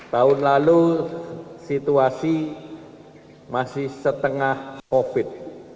tahun lalu situasi masih setengah covid